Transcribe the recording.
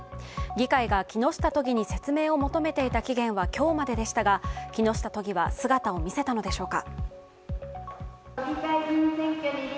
議会が木下都議に説明を求めていた期限は今日まででしたが木下都議は姿を見せたのでしょうか？